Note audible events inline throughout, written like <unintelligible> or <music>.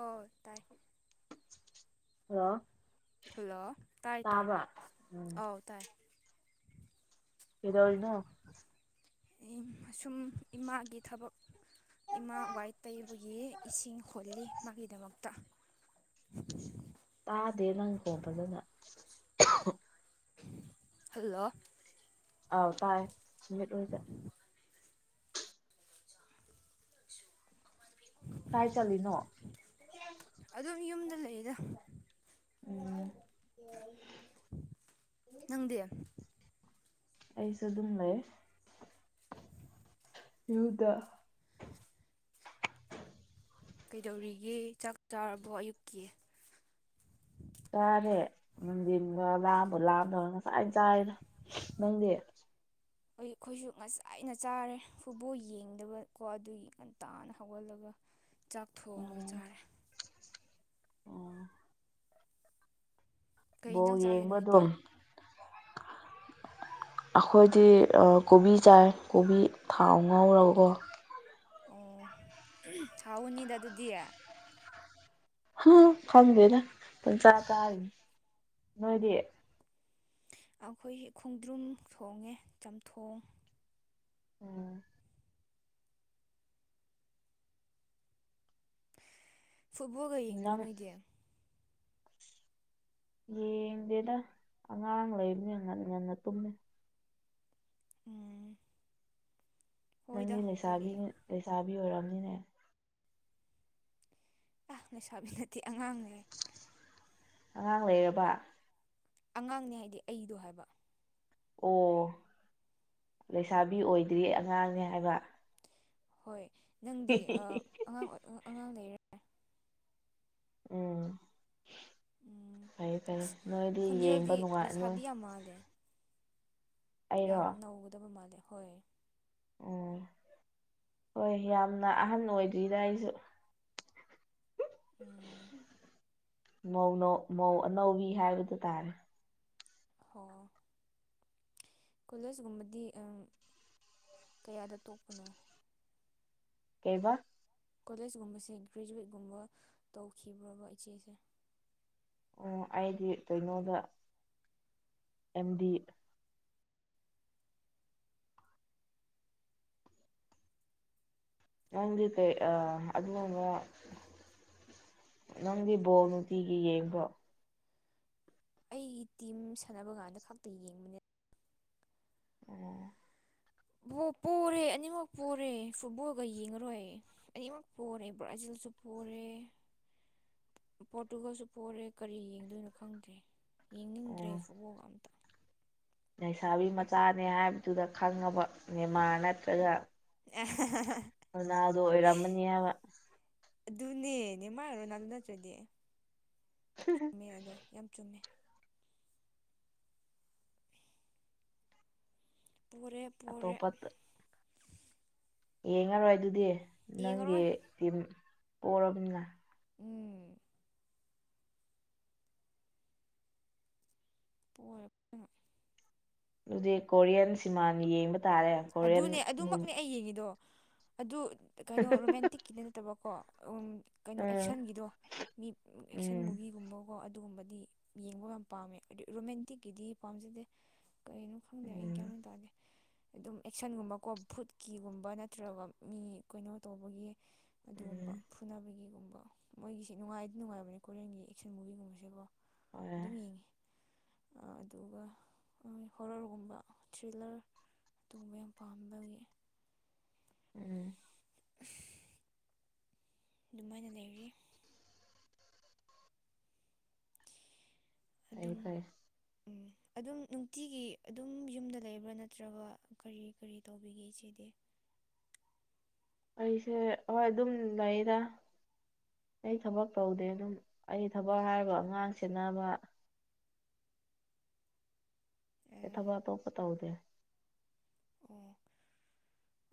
ꯑꯣ ꯇꯥꯏ hello hello ꯇꯥꯏ ꯇꯥꯏ ꯎꯝ ꯑꯧ ꯇꯥꯏ ꯀꯩꯗꯧꯔꯤꯅꯣ ꯏꯝ ꯁꯨꯝ ꯏꯃꯥꯒꯤ ꯊꯕꯛ ꯏꯃꯥ ꯋꯥꯏ ꯇꯩꯕꯒꯤ ꯏꯁꯤꯡ ꯍꯣꯜꯂꯤ ꯃꯥꯒꯤꯗꯃꯛꯇ ꯇꯥꯗꯦ ꯅꯪ ꯈꯣꯟ ꯐꯖꯅ <inaudible> ꯍꯜꯂꯣ ꯑꯥꯎ ꯇꯥꯏ ꯁꯨꯃꯤꯠ ꯑꯣꯏꯗ <inaudible> ꯀꯥꯏ ꯆꯠꯂꯤꯅꯣ ꯑꯗꯨꯝ ꯌꯨꯝꯗ ꯂꯩꯗ ꯎꯝ ꯅꯪꯗꯤ ꯑꯩꯁꯨ ꯑꯗꯨꯝ ꯂꯩ ꯌꯨꯗ ꯀꯩꯗꯧꯔꯤꯒꯦ ꯆꯥꯛ ꯆꯥꯔꯕꯣ ꯑꯌꯨꯛꯀꯤ ꯆꯥꯔꯦ ꯅꯨꯡꯗꯤꯟ ꯂꯥꯝꯕꯨ ꯂꯥꯝꯗꯧ ꯉꯁꯥꯏꯅ ꯆꯥꯏꯔꯦꯗ ꯅꯪꯗꯤ ꯑꯩꯈꯣꯏꯁꯨ ꯉꯁꯥꯏꯅ ꯆꯥꯔꯦ ꯐꯨꯠꯕꯣꯜ ꯌꯦꯡꯗꯕꯀꯣ ꯑꯗꯨꯒꯤ ꯉꯟꯇꯥꯅ ꯍꯧꯒꯜꯂꯒ ꯆꯥꯛ ꯊꯣꯡꯉ ꯆꯥꯔꯦ ꯑꯣ ꯀꯩ ꯕꯣꯜ ꯌꯦꯟꯖꯥꯡ ꯆꯥꯒꯦ ꯌꯦꯡꯕ ꯅꯣꯏꯗꯤ ꯑꯗꯨꯝ ꯑꯩꯈꯣꯏꯗꯤ ꯀꯣꯕꯤ ꯆꯥꯏ ꯀꯣꯕꯤ ꯊꯥꯎ ꯉꯧꯔꯒꯀꯣ ꯑꯣ ꯍꯥꯎꯒꯅꯤꯗ ꯑꯗꯨꯗꯤ ꯍ ꯈꯪꯗꯦꯗ ꯄꯪꯆꯥ ꯆꯥꯔꯤ ꯅꯣꯏꯗꯤ ꯑꯩꯈꯣꯏꯒꯤ ꯈꯣꯡꯗ꯭ꯔꯨꯝ ꯊꯣꯡꯉꯦ ꯆꯝꯊꯣꯡ ꯑꯣ ꯐꯨꯠꯕꯣꯜꯒ ꯌꯦꯡꯗ꯭ꯔꯣ ꯅꯪ ꯅꯣꯏꯗꯤ ꯌꯦꯡꯗꯦꯗ ꯑꯉꯥꯡ ꯂꯩꯕꯅꯦ ꯉꯟꯅ ꯉꯟꯅ ꯇꯨꯝꯃꯦ ꯎꯝ ꯍꯣꯏꯗ ꯅꯪꯗꯤ ꯀꯔꯤ ꯂꯩꯁꯥꯕꯤꯅꯤ ꯂꯩꯁꯥꯕꯤ ꯑꯣꯏꯔꯝꯅꯤꯅꯦ ꯑꯥ ꯂꯩꯁꯥꯕꯤ ꯅꯠꯇꯦ ꯑꯉꯥꯡꯅꯦ ꯑꯉꯥꯡ ꯂꯩꯔꯕ ꯑꯉꯥꯡꯅꯦ ꯍꯥꯏꯗꯤ ꯑꯩꯗꯣ ꯍꯥꯏꯕ ꯑꯣ ꯂꯩꯁꯥꯕꯤ ꯑꯣꯏꯗ꯭ꯔꯤ ꯑꯉꯥꯡꯅꯦ ꯍꯥꯏꯕ ꯍꯣꯏ ꯅꯪꯗꯤ ꯑꯉꯥꯡ ꯑꯉꯥꯡ ꯂꯩꯔꯦ ꯎꯝ ꯎꯝ ꯐꯩ ꯐꯩ ꯑꯁ ꯅꯣꯏꯗꯤ ꯌꯦꯡꯕ ꯈꯣꯟꯖꯦꯜꯗꯤ ꯅꯨꯡꯉꯥꯏꯅꯨ <unintelligible> ꯑꯩꯔꯣ ꯌꯥꯝ ꯅꯧꯒꯗꯕ ꯃꯥꯜꯂꯦ ꯍꯣꯏ ꯎꯝ ꯍꯣꯏ ꯌꯥꯝꯅ ꯑꯍꯟ ꯑꯣꯏꯗ꯭ꯔꯤꯗ ꯑꯩꯁꯨ ꯎꯝ ꯃꯧ ꯑꯅꯧꯕꯤ ꯍꯥꯏꯕꯗꯨ ꯇꯥꯔꯦ ꯍ <unintelligible> ꯀꯣꯂꯦꯁꯒꯨꯝꯕꯗꯤ ꯀꯌꯥꯗ ꯇꯣꯛꯄꯅꯣ ꯀꯩꯕ ꯀꯣꯂꯦꯖꯀꯨꯝꯕꯁꯦ ꯒ꯭ꯔꯦꯖꯨꯋꯦꯠ ꯒꯨꯝꯕ ꯇꯧꯈꯤꯕ꯭ꯔꯕ ꯏꯆꯦꯁꯦ ꯑꯣ ꯑꯩꯗꯤ ꯀꯩꯅꯣꯗ ꯑꯦꯝꯗꯤ ꯅꯪꯗꯤ ꯀꯩ ꯑ ꯑꯗꯨꯅꯅ <unintelligible> ꯅꯪꯗꯤ ꯕꯣꯜ ꯅꯨꯡꯇꯤꯒꯤ ꯌꯦꯡꯕ꯭ꯔꯣ ꯑꯩꯒꯤ ꯇꯤꯝ ꯁꯥꯟꯅꯕ ꯀꯥꯟꯗ ꯈꯛꯇ ꯌꯦꯡꯕꯅꯦ ꯑꯣ ꯄꯣꯔꯦ ꯑꯅꯤꯃꯛ ꯄꯣꯔꯦ ꯐꯨꯠꯕꯣꯜꯒ ꯌꯦꯡꯉꯔꯣꯏ ꯑꯅꯤꯃꯛ ꯄꯨꯣꯔꯦ ꯕ꯭ꯔꯥꯖꯤꯜꯁꯨ ꯄꯣꯔꯦ꯫ ꯄ꯭ꯔꯣꯇꯨꯒꯜꯁꯨ ꯐꯣꯔꯦ ꯀꯔꯤ ꯌꯦꯡꯗꯣꯏꯅꯣ ꯈꯪꯗ꯭ꯔꯦ ꯌꯦꯡꯅꯤꯡꯗ꯭ꯔꯦ ꯑꯣ ꯐꯨꯕꯣꯛꯒ ꯂꯩꯁꯥꯕꯤ ꯃꯆꯥꯅꯦ ꯍꯥꯏꯕꯗꯨꯗ ꯈꯪꯉꯕ ꯅꯦꯃꯥꯔ ꯅꯠꯇ꯭ꯔꯒ ꯑꯦ <unintelligible> ꯔꯣꯅꯥꯜꯗꯣ ꯑꯣꯏꯔꯝꯃꯅꯤ ꯍꯥꯏꯕ ꯑꯗꯨꯅꯦ ꯅꯦꯃꯥꯔ ꯔꯣꯅꯥꯜꯗꯣ ꯅꯠꯇ꯭ꯔꯗꯤ, ꯆꯨꯝꯃꯦ ꯑꯗꯣ ꯌꯥꯝ ꯆꯨꯝꯃꯦ ꯄꯣꯔꯦꯞ ꯑꯇꯣꯞꯄꯠ ꯌꯦꯡꯉꯔꯣꯏ ꯑꯗꯨꯗꯤ ꯅꯪꯒꯤ ꯌꯦꯡꯉꯔꯣꯏ ꯇꯤꯝ ꯄꯣꯛꯔꯕꯅꯤꯅ꯫ ꯎꯝ ꯍꯦ <unintelligible> ꯑꯗꯨꯗꯤ ꯀꯣꯔꯤꯌꯥꯟ ꯁꯤꯃꯥꯟ ꯌꯦꯡꯕ ꯇꯥꯔꯦ ꯀꯣꯔꯤꯌꯟ ꯑꯗꯨꯅꯦ ꯃꯨꯚꯤ ꯑꯗꯨꯃꯛꯅꯦ ꯑꯩ ꯌꯦꯡꯉꯤꯗꯣ ꯑꯗꯨ ꯀꯩꯅꯣ ꯔꯣꯃꯦꯟꯇꯤꯛꯀꯤꯗꯤ ꯅꯠꯇꯕ ꯀꯣ꯫ ꯀꯩꯅꯣ ꯎꯝ ꯑꯦꯛꯁꯟꯒꯤꯗꯣ, ꯃꯤ ꯑꯦꯛꯁꯟ ꯎꯝ ꯃꯨꯚꯤꯒꯨꯝꯕ ꯀꯣ꯫ ꯑꯗꯨꯒꯨꯝꯕꯗꯤ ꯌꯦꯡꯕ ꯌꯥꯝ ꯄꯥꯝꯃꯦ ꯔꯣꯃꯦꯟꯇꯤꯛꯀꯤꯗꯤ ꯄꯥꯝꯖꯗꯦ꯫ ꯀꯩꯅꯣ ꯈꯪꯗꯦ ꯑꯩ ꯒꯤꯌꯥꯟ ꯎꯝ ꯃꯦꯟ ꯇꯗꯦ꯫ ꯑꯗꯨꯝ ꯑꯦꯛꯁꯟꯒꯨꯝꯕ ꯀꯣ ꯐꯨꯗꯀꯤꯒꯨꯝꯕ ꯅꯠꯇ꯭ꯔꯒ ꯃꯤ ꯀꯩꯅꯣ ꯇꯧꯕꯒꯤ, ꯎꯝ ꯑꯗꯨꯒꯨꯝꯕ ꯐꯨꯅꯕꯒꯤꯒꯨꯝꯕ ꯃꯣꯏꯒꯤꯁꯤ ꯅꯨꯡꯉꯥꯏꯗꯤ ꯅꯨꯡꯉꯥꯏꯕꯅꯦ ꯀꯣꯔꯤꯌꯟꯒꯤ ꯑꯦꯛꯁꯟ ꯃꯨꯚꯤꯒꯨꯝꯕꯁꯦ ꯀꯣ꯫ ꯍꯣꯏ ꯑꯗꯨꯝ ꯌꯦꯡꯉꯤ ꯑꯗꯨꯒ ꯍꯣꯔꯔꯒꯨꯝꯕ ꯊ꯭ꯔꯤꯂꯔ ꯇꯣꯡꯕ ꯌꯥꯝ ꯄꯥꯝꯕꯒꯤ ꯎꯝ <unintelligible> ꯗꯨꯃꯥꯏꯅ ꯂꯩꯔꯤ꯫ ꯐꯩ ꯑꯗꯨꯝ ꯐꯩ ꯎꯝ ꯑꯗꯨꯝ ꯅꯨꯡꯇꯤꯒꯤ ꯑꯗꯨꯝ ꯌꯨꯝꯗ ꯂꯩꯕ꯭ꯔꯥ ꯅꯠꯇ꯭ꯔꯒ ꯀꯔꯤ ꯀꯔꯤ ꯇꯧꯕꯤꯒꯦ ꯏꯆꯦꯗꯤ꯫ ꯑꯩꯁꯦ ꯍꯣꯏ ꯑꯗꯨꯝ ꯂꯩꯌꯦꯗ꯫ ꯑꯩ ꯊꯕꯛ ꯇꯧꯗꯦ ꯑꯗꯨꯝ ꯑꯩ ꯊꯕꯛ ꯍꯥꯏꯔꯒ ꯑꯉꯥꯡ ꯁꯦꯅꯕ꯫ ꯊꯕꯛ ꯑꯇꯣꯞꯄ ꯇꯧꯗꯦ꯫ ꯑꯣ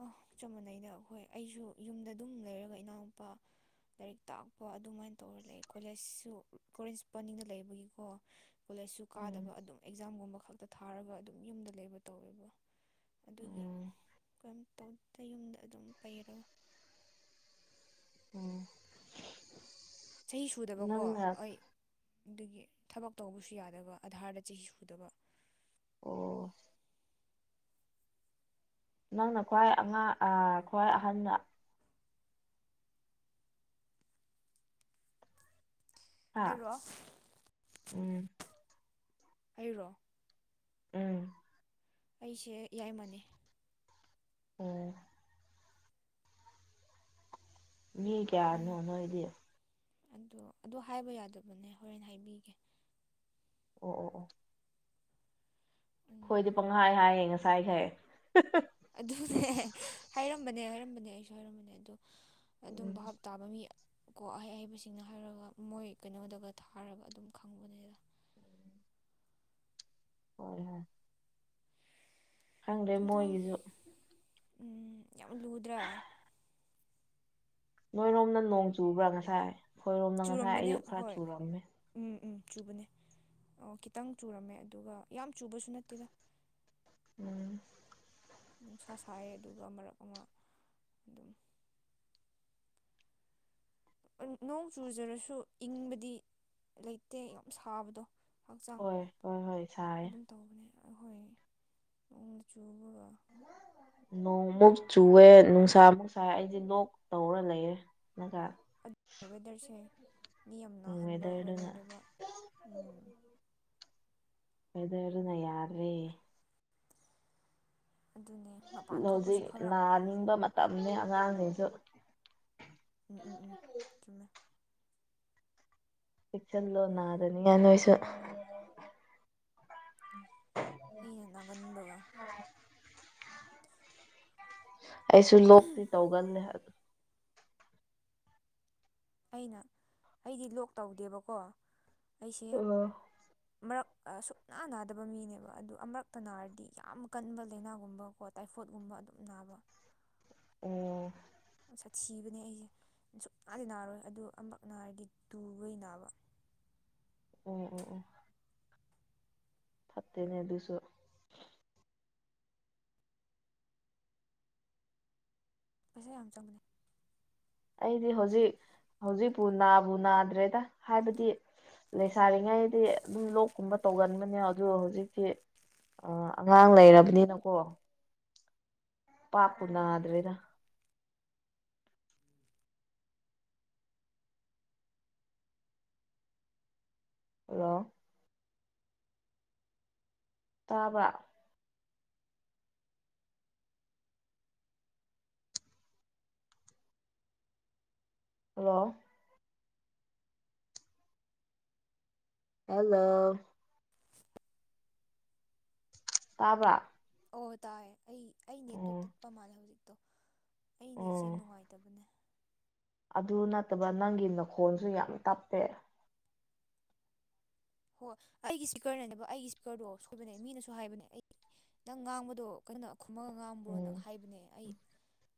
ꯑ ꯆꯞ ꯃꯥꯟꯅꯩꯗ ꯑꯩꯈꯣꯏ ꯑꯩꯁꯨ ꯌꯨꯝꯗ ꯑꯗꯨꯝ ꯂꯩꯔꯒ ꯏꯅꯥꯎꯨꯄꯥ ꯂꯥꯏꯔꯤꯛ ꯇꯥꯛꯄ ꯑꯗꯨꯃꯥꯏꯅ ꯇꯧꯔ ꯂꯩ ꯀꯣꯂꯦꯖꯁꯨ ꯀꯂꯦꯟꯁꯄꯅꯤꯡꯗ ꯂꯩꯕꯒꯤꯀꯣ ꯀꯣꯂꯦꯖꯁꯨ ꯎꯝ ꯀꯥꯗꯕ ꯑꯗꯨꯝ ꯑꯦꯛꯖꯥꯝꯒꯨꯝꯕ ꯈꯛꯇ ꯊꯥꯔꯒ ꯑꯗꯨꯝ ꯌꯨꯝꯗ ꯂꯩꯕ ꯇꯧꯋꯦꯕ ꯑꯗꯨꯒꯤ ꯎꯝ ꯀꯩꯝ ꯇꯧꯗ ꯌꯨꯝꯗ ꯑꯗꯨꯝ ꯄꯩꯔꯒ ꯎ ꯆꯍꯤ ꯁꯨꯗꯕꯀꯣ ꯍꯣꯏ ꯑꯒꯤ ꯊꯕꯛ ꯇꯧꯕꯁꯨ ꯌꯥꯗꯕ ꯑꯙꯥꯔꯗ ꯆꯍꯤ ꯁꯨꯗꯕ ꯑꯣ ꯅꯪꯅ ꯈ꯭ꯋꯥꯏ ꯑꯉꯥꯡ ꯈ꯭ꯋꯥꯏ ꯑꯍꯟꯅ ꯍꯥ ꯑꯩꯔꯣ ꯎꯝ ꯑꯩꯔꯣ ꯎꯝ ꯑꯩꯁꯦ ꯏꯏꯃꯥꯟꯅꯦ ꯎꯝ ꯃꯤ ꯀꯌꯥꯅꯅ ꯑꯣꯏꯗꯤ ꯑꯣ ꯑꯗꯨ ꯍꯥꯏꯕ ꯌꯥꯗꯕꯅꯦ ꯍꯣꯔꯦꯟ ꯍꯥꯏꯕꯤꯒꯦ ꯑꯣ ꯑꯣ ꯑꯣ ꯎꯝ ꯑꯩꯈꯣꯏꯗꯤ ꯍ ꯑꯗꯨꯅꯦ ꯍꯥꯏꯔꯝꯕꯅꯦ ꯍꯥꯏꯔꯝꯕꯅꯦ ꯑꯩꯁꯨ ꯍꯥꯏꯔꯝꯕꯅꯦ ꯑꯗꯣ ꯑꯗꯨꯝ ꯞ ꯎꯝ ꯇꯥꯕ ꯃꯤ ꯀꯣ ꯑꯍꯩ ꯑꯍꯩꯕꯁꯤꯡꯅ ꯍꯥꯏꯔꯒ ꯃꯣꯏ ꯀꯩꯅꯣꯗꯒ ꯊꯥꯔꯒ ꯑꯗꯨꯝ ꯈꯪꯕꯅꯦꯗ ꯍꯣꯏ ꯍꯣꯏ ꯈꯪꯗ꯭ꯔꯦ ꯑꯗꯣ ꯃꯣꯏꯒꯤꯁꯨ ꯎꯝ ꯌꯥꯝ ꯂꯨꯗ꯭ꯔꯥ ꯅꯣꯏꯔꯣꯝꯅ ꯅꯣꯡ ꯆꯨꯕ꯭ꯔꯥ ꯉꯁꯥꯏ ꯑꯩꯈꯣꯏꯔꯣꯝꯗ ꯉꯁꯥꯏ ꯆꯨꯔꯝꯕꯅꯦ ꯑꯌꯨꯛ ꯈꯔ ꯍꯣꯏ ꯆꯨꯔꯝꯃꯦ ꯎꯝ ꯎꯝ ꯆꯨꯕꯅꯦ ꯑꯣ ꯈꯤꯇꯪ ꯆꯨꯔꯝꯃꯦ ꯑꯗꯨꯒ ꯌꯥꯝ ꯆꯨꯕꯁꯨ ꯅꯠꯇꯦꯗ ꯎꯝ ꯅꯨꯡꯁꯥ ꯁꯥꯏ ꯑꯗꯨꯒ ꯃꯔꯛ ꯑꯃ ꯑꯗꯨꯝ ꯅꯣꯡ ꯆꯨꯖꯔꯁꯨ ꯏꯪꯕꯗꯤ ꯂꯩꯇꯦ ꯌꯥꯝ ꯁꯥꯕꯗꯣ ꯍꯛꯆꯥꯡ ꯍꯣꯏ ꯍꯣꯏ ꯍꯣꯏ ꯁꯥꯏꯌꯦ ꯑꯗꯨꯝ ꯇꯧꯕꯅꯦ ꯑꯩꯈꯣꯏ ꯅꯣꯡꯗ ꯆꯨꯕꯒ ꯅꯣꯡꯃꯨꯛ ꯆꯨꯑꯦ ꯅꯨꯡꯁꯥ ꯃꯨꯛꯁꯥꯏ ꯑꯩꯁꯦ ꯂꯣꯛ ꯇꯧꯔ ꯂꯩꯔꯦꯒꯥ ꯑꯗꯨ ꯋꯦꯗꯔꯁꯦ ꯃꯤ ꯌꯥꯝ ꯎꯝ ꯅꯥꯍꯟꯕ ꯋꯦꯗꯔꯗꯨꯅ ꯋꯦꯗꯔꯅꯦꯕ ꯎ ꯀꯗ ꯑꯗꯨꯅ ꯌꯥꯗ꯭ꯔꯦ ꯑꯗꯨꯅꯦ ꯃꯄꯥꯟ ꯊꯣꯛꯄꯁꯨ ꯍꯧꯖꯤꯛ ꯐꯔꯛ ꯅꯥꯅꯤꯡꯕ ꯃꯇꯝꯅꯤ ꯑꯉꯥꯡꯁꯤꯁꯨ ꯎꯝ ꯎꯝ ꯎꯝ ꯊꯃꯦ ꯆꯦꯛꯁꯟ ꯂꯣ ꯅꯥꯔꯅꯤ ꯉ ꯅꯣꯏꯁꯨ ꯑꯩꯅ ꯅꯥꯒꯟꯕꯒ ꯑꯩꯁꯨ ꯂꯣꯛꯇꯤ ꯇꯧꯒꯜꯂꯦ ꯑꯩꯅ ꯑꯩꯗꯤ ꯂꯣꯛ ꯇꯧꯗꯦꯕꯀꯣ ꯑꯩꯁꯦ ꯑꯣ ꯃꯔꯛ ꯁꯨꯛꯅꯥ ꯅꯥꯗꯕ ꯃꯤꯅꯦꯕ ꯑꯗꯨ ꯑꯃꯛꯇ ꯅꯥꯔꯗꯤ ꯌꯥꯝ ꯀꯟꯕ ꯂꯥꯏꯅꯥꯒꯨꯝꯕ ꯈꯣ ꯇꯥꯏꯐꯣꯠꯀꯨꯝꯕ ꯑꯗꯨꯝ ꯅꯥꯕ ꯑꯣ ꯁꯥꯊꯤꯕꯅꯦ ꯑꯩꯁꯦ ꯁꯨꯡꯛꯅꯥꯗꯤ ꯅꯥꯔꯣꯏ ꯑꯗꯨ ꯑꯃꯨꯛ ꯅꯥꯔꯒ ꯇꯨꯕꯩ ꯅꯥꯕ ꯎꯝ ꯎꯝ ꯎꯝ ꯐꯠꯇꯦꯅꯦ ꯑꯗꯨꯁꯨ ꯄꯩꯁꯥ ꯌꯥꯝ ꯆꯪꯒꯅꯤ ꯑꯩꯗꯤ ꯍꯧꯖꯤꯛ ꯍꯧꯖꯤꯛꯄꯨ ꯅꯥꯕꯨ ꯅꯥꯗ꯭ꯔꯦꯗ ꯍꯥꯏꯕꯗꯤ ꯂꯩꯁꯥꯔꯤꯉꯩꯗꯤ ꯑꯗꯨꯝ ꯂꯣꯛꯀꯨꯝꯕ ꯇꯧꯒꯟꯕꯅꯦ ꯑꯗꯨ ꯍꯧꯖꯤꯛꯇꯤ ꯑ ꯑꯉꯥꯡ ꯂꯩꯔꯕꯅꯤꯅꯀꯣ ꯄꯥꯄꯨ ꯅꯗꯋꯗ ꯍꯜꯂꯣ ꯇꯥꯕ꯭ꯔ ꯍꯜꯂꯣ ꯍꯜꯂꯣ ꯇꯥꯕ꯭ꯔ ꯑꯣ ꯇꯥꯔꯦ ꯑꯩ ꯑꯩꯅꯦꯠꯇꯣ ꯇꯠꯄ ꯃꯥꯜꯂꯦ ꯍꯧꯖꯤꯛꯇꯣ ꯑꯩꯅꯦ ꯏꯆꯦ ꯎꯝ ꯅꯨꯡꯉꯥꯏꯇꯕꯅꯦ ꯑꯗꯨ ꯅꯠꯇꯕ ꯅꯪꯒꯤ ꯅꯈꯣꯟꯜꯁꯨ ꯌꯥꯝ ꯇꯞꯄꯦ ꯍꯣꯏ ꯑꯩꯒꯤ ꯏꯁꯄꯤꯀꯔꯅꯅꯦꯕ ꯑꯩꯒꯤ ꯏꯁꯄꯤꯀꯔꯗꯣ ꯁꯣꯏꯕꯅꯦ ꯃꯤꯅꯁꯨ ꯍꯥꯏꯕꯅꯦ ꯑꯩ ꯅꯪ ꯉꯥꯡꯕꯗꯣ ꯀꯩꯅꯣ ꯈꯨꯃꯪ ꯉꯥꯡꯕ꯭ꯔꯣꯅ ꯎꯝ ꯍꯥꯏꯕꯅꯦ ꯑꯩ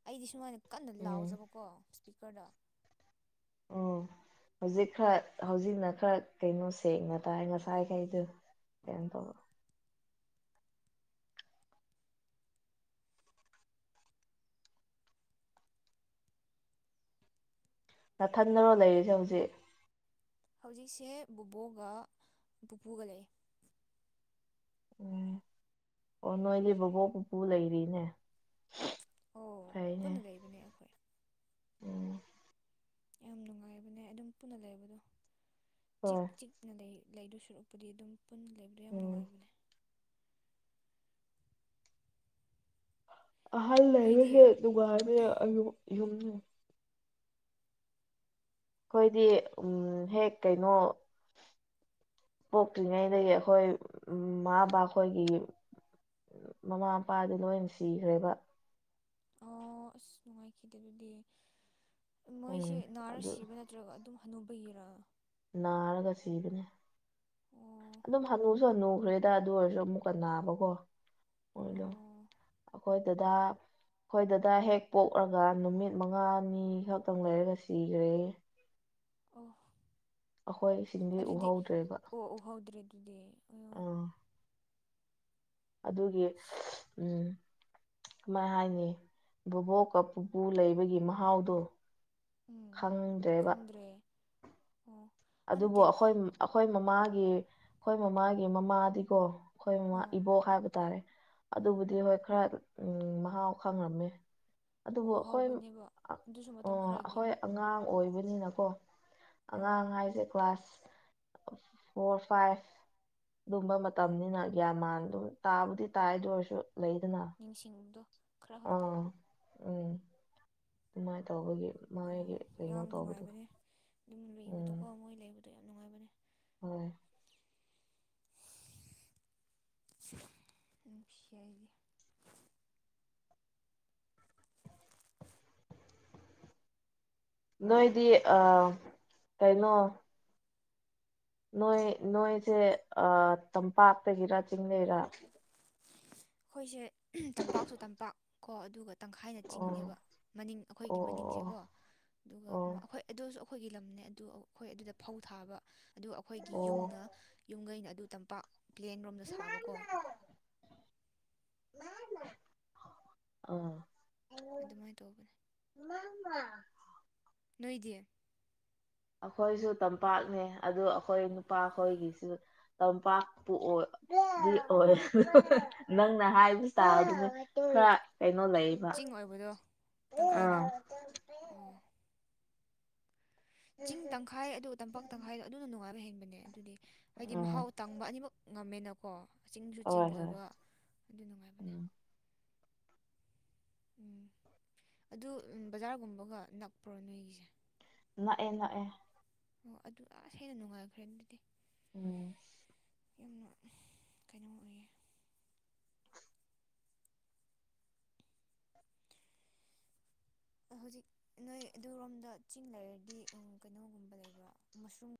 ꯑꯩꯗꯤ ꯁꯨꯃꯥꯏꯅ ꯀꯟꯅ ꯎꯝ ꯂꯥꯎꯖꯕꯀꯣ ꯄꯤꯀꯔ ꯎ ꯍꯧꯖꯤꯛ ꯈꯔ ꯍꯧꯖꯤꯛꯅ ꯈꯔ ꯀꯩꯅꯣ ꯁꯦꯡꯅ ꯇꯥꯏ ꯉꯁꯥꯏꯈꯩꯗꯨ ꯑꯗꯨꯟ ꯇꯣ ꯅꯊꯟꯅꯔꯣ ꯂꯩꯔꯤꯁꯦ ꯍꯧꯖꯤꯛ ꯍꯧꯖꯤꯛꯁꯦ ꯕꯕꯣꯛꯒ ꯄꯨꯄꯨꯒ ꯂꯩ ꯎꯝ ꯑꯣ ꯅꯣꯏꯗꯤ ꯕꯕꯣꯛ ꯄꯨꯄꯨ ꯂꯩꯔꯤꯅꯦ ꯑꯣ ꯀꯥꯏꯅꯦ ꯄꯨꯟꯅ ꯂꯩꯕꯅꯦ ꯑꯩꯈꯣꯏ ꯎꯝ ꯌꯥꯝ ꯅꯨꯡꯉꯥꯏꯕꯅꯦ ꯑꯗꯨꯝ ꯄꯨꯟꯅ ꯂꯩꯕꯗꯣ ꯆꯤꯛ ꯍꯣꯏ ꯆꯤꯛ ꯅ ꯂꯩ ꯂꯩꯗꯨ ꯁꯨꯔꯛꯄꯗꯤ ꯑꯗꯨꯝ ꯄꯨꯟꯅ ꯂꯩꯕꯗꯣ ꯌꯥꯝ ꯎꯝ ꯅꯨꯡꯉꯥꯏꯕꯅꯦ ꯑꯍꯜ ꯅꯣꯏꯗꯤ ꯂꯩꯔꯁꯦ ꯗꯨꯅꯦ ꯌꯨꯝꯅꯦ ꯑꯩꯈꯣꯏꯗꯤ ꯎꯝ ꯍꯦꯛ ꯀꯩꯅꯣ ꯄꯣꯛꯇ꯭ꯔꯤꯉꯩꯗꯒꯤ ꯑꯩꯈꯣꯏ ꯎ ꯃꯥꯕ ꯑꯩꯈꯣꯏꯒꯤ ꯃꯃꯥ ꯃꯄꯥꯗꯤ ꯂꯣꯏ ꯁꯤꯈ꯭ꯔꯦꯕ ꯑꯣ ꯑꯁ ꯅꯨꯡꯉꯥꯏꯈꯤꯗꯦ ꯑꯗꯨꯗꯤ ꯃꯣꯏꯁꯦ ꯎꯝ ꯅꯥꯔ ꯑꯗꯨ ꯁꯤꯕ ꯅꯦ ꯅꯠꯇ꯭ꯔꯒ ꯑꯗꯨꯝ ꯍꯅꯧꯕꯒꯤꯔ ꯅꯥꯔꯒ ꯁꯤꯕꯅꯤ ꯑꯣ ꯑꯗꯨꯝ ꯍꯟꯅꯨꯁꯨ ꯍꯟꯅꯨꯈ꯭ꯔꯦꯗ ꯑꯗꯨ ꯑꯣꯏꯔꯁꯨ ꯑꯃꯨꯛꯀꯟꯅꯅꯥꯕꯀꯣ ꯑꯣꯏꯗꯣ ꯑꯣ ꯑꯩꯈꯣꯏꯗꯨꯗ ꯑꯩꯈꯣꯏꯗꯗ ꯍꯦꯛ ꯄꯣꯛꯂꯒ ꯅꯨꯃꯤꯠ ꯃꯉꯥꯅꯤ ꯈꯛꯇꯪ ꯂꯩꯔꯒ ꯁꯤꯈ꯭ꯔꯦ ꯑꯣ ꯑꯩꯈꯣꯏ ꯏꯁꯤꯡꯗꯤ ꯑꯗꯨꯗꯤ ꯎꯍꯧꯗ꯭ꯔꯦꯕ ꯑꯣ ꯎꯍꯧꯗ꯭ꯔꯦ ꯑꯗꯨꯗꯤ ꯑꯣꯌꯣ ꯎꯝ ꯑꯗꯨꯒꯤ ꯎꯝ ꯑꯃ ꯍꯥꯏꯅꯤ ꯕꯣꯕꯣꯛꯀ ꯄꯨꯄꯨ ꯂꯩꯕꯒꯤ ꯃꯍꯥꯎꯗꯨꯣ ꯎꯝ ꯈꯪꯗ꯭ꯔꯦꯕ ꯈꯪꯗ꯭ꯔꯦ ꯑꯣ ꯑꯗꯨꯕꯨ ꯅꯠꯇꯦ ꯑꯩꯈꯣꯏ ꯑꯩꯈꯣꯏ ꯃꯃꯥꯒꯤ ꯑꯩꯈꯣꯏ ꯃꯃꯥꯒꯤ ꯃꯃꯥꯗꯤꯀꯣ ꯑꯩꯈꯣꯏ ꯃꯃꯥ ꯑꯣ ꯏꯕꯣꯛ ꯍꯥꯏꯕ ꯇꯥꯔꯦ ꯑꯣ ꯑꯗꯨꯕꯨꯗꯤ ꯍꯣꯏ ꯈꯔ ꯃꯍꯥꯎ ꯈꯪꯉꯝꯃꯦ ꯑꯗꯨꯕꯨ ꯑꯩꯈꯣꯏ ꯎꯍꯧꯕꯅꯦꯕ ꯑꯗꯨꯁꯨ ꯃꯇꯝ ꯈꯔꯒꯤ ꯑꯩꯈꯣꯏ ꯑꯉꯥꯡ ꯑꯣꯏꯕꯅꯤꯅꯀꯣ ꯎꯝ ꯑꯉꯥꯡ ꯍꯥꯏ ꯀ꯭ꯂꯥꯁ ꯐꯣꯔ ꯐꯥꯏꯚ ꯑꯗꯨꯝꯕ ꯃꯇꯝꯅꯤꯅ ꯒ꯭ꯌꯥꯟ ꯃꯥꯟ ꯑꯗꯨ ꯇꯥꯕꯨꯗꯤ ꯇꯥꯏꯗ ꯑꯣꯏꯔꯁꯨ ꯂꯩꯗꯅ ꯅꯤꯡꯁꯤꯡꯕꯗꯣ ꯈꯔ ꯍꯛꯇ ꯑꯥ ꯎꯝ ꯑꯗꯨꯃꯥꯏꯅ ꯇꯧꯕꯒꯤ ꯃꯥꯒꯤꯒꯤ ꯎꯝ ꯀꯩꯅꯣ ꯌꯥꯝ ꯇꯧꯕꯗꯣ ꯅꯨꯡꯉꯥꯏꯕꯅꯦ ꯑꯗꯨꯝ ꯂꯨꯏꯕꯗꯣꯀꯣ ꯃꯣꯏ ꯂꯩꯕꯗꯣ ꯌꯥꯝ ꯅꯨꯡꯉꯥꯏꯕꯅꯦ ꯍ ꯐ ꯅꯣꯏꯗꯤ ꯑ ꯀꯩꯅꯣ ꯅꯣꯏ ꯅꯣꯏꯁꯦ ꯇꯝꯄꯥꯛꯇꯒꯤꯔꯥ ꯆꯤꯡꯡꯂꯩꯔꯥ ꯑꯩꯈꯣꯏꯁꯦ ꯇꯝꯄꯥꯛꯁꯨ ꯇꯝꯄꯥꯛ ꯀꯣ ꯑꯗꯨꯒ ꯇꯪꯈꯥꯏꯅ ꯑꯣ ꯆꯤꯡꯉꯦꯕ ꯃꯅꯤꯡ ꯑꯩꯈꯣꯏꯒꯤ ꯑꯣ ꯃꯅꯤꯡꯁꯦꯀꯣ ꯑꯗꯨꯒ ꯑꯣ ꯑꯩꯈꯣꯏ ꯑꯗꯨꯁꯨ ꯑꯩꯈꯣꯏꯒꯤ ꯂꯝꯅꯦ ꯑꯗꯨ ꯑꯩꯈꯣꯏ ꯑꯗꯨꯗ ꯐꯧ ꯊꯥꯕ ꯑꯗꯨꯒ ꯑꯩꯈꯣꯏꯒꯤ ꯑꯣ ꯑꯣ ꯌꯨꯝꯅ ꯌꯨꯝꯈꯩꯅ ꯑꯗꯨ ꯇꯝꯄꯥꯛ ꯄ꯭ꯂꯦꯟ ꯔꯣꯝꯗ ꯁꯥꯕꯀꯣ ꯑꯥ ꯑꯗꯨꯃꯥꯏꯅ ꯇꯧꯕꯅꯦ ꯃꯥ ꯃꯥ ꯅꯣꯏꯗꯌꯦ ꯑꯩꯈꯣꯏꯁꯨ ꯇꯝꯄꯥꯛꯅꯦ ꯑꯗꯨ ꯑꯩꯈꯣꯏ ꯅꯨꯄꯥꯈꯣꯏꯒꯤꯁꯨ ꯇꯝꯄꯥꯛꯄꯨ ꯑꯣꯏ ꯗꯤ ꯑꯣꯏ ꯅꯪꯅ ꯍꯥꯏꯕꯁꯤ ꯇꯗꯤ ꯈꯔ ꯀꯩꯅꯣ ꯂꯩ ꯆꯤꯡ ꯑꯣꯏꯕꯗꯣ ꯇꯪꯈꯥꯏꯅ ꯑꯣ ꯆꯤꯡ ꯇꯪꯈꯥꯏ ꯑꯗꯨꯒ ꯇꯝꯄꯥꯛ ꯇꯪꯈꯥꯏꯗꯣ ꯑꯗꯨꯅ ꯅꯨꯡꯉꯥꯏꯕ ꯍꯦꯟꯕꯅꯦ ꯑꯗꯨꯗꯤ ꯍꯥꯏꯗꯤ ꯎꯝ ꯃꯍꯥꯎ ꯇꯪꯕ ꯑꯅꯤꯃꯛ ꯉꯝꯃꯦꯅꯀꯣ ꯆꯤꯡꯁꯨ ꯆꯤꯡ ꯍꯣꯏ ꯍꯣꯏ ꯑꯣꯏꯕ ꯑꯗꯨ ꯅꯨꯡꯉꯥꯏꯕꯅꯦ ꯎꯝ ꯎꯝ ꯑꯗꯨ ꯕꯖꯥꯔꯒꯨꯝꯕꯒ ꯅꯛꯄ꯭ꯔꯣ ꯅꯣꯏꯒꯤꯁꯦ ꯅꯥꯛꯑꯦ ꯅꯥꯛꯑꯦ ꯑꯣ ꯑꯗꯨ ꯑꯁ ꯍꯦꯟꯅ ꯅꯨꯡꯉꯥꯏꯈ꯭ꯔꯦ ꯑꯗꯨꯗꯤ ꯎꯝ ꯌꯥꯝꯅ ꯀꯩꯅꯣ ꯑꯣꯏꯌꯦ ꯍꯧꯖꯤꯛ ꯅꯣꯏ ꯑꯗꯨꯔꯣꯝꯗ ꯆꯤꯡ ꯂꯩꯔꯗꯤ ꯎ ꯀꯩꯅꯣꯒꯨꯝꯕ ꯂꯩꯕ꯭ꯔꯣ ꯃꯁꯔꯨꯝ